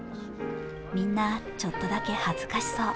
みんな、ちょっとだけ恥ずかしそう